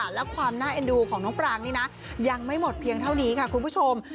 และความน่าเอ็นดูของน้องปรางนี่นะยังไม่หมดเพียงเท่านี้ค่ะคุณผู้ชม